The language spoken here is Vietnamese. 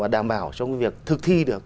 đảm bảo trong việc thực thi được